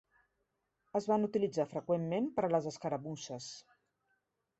Es van utilitzar freqüentment per a les escaramusses.